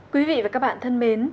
quý vị và các bạn thân mến